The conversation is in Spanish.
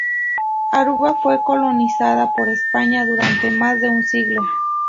Aruba fue colonizada por España durante más de un siglo.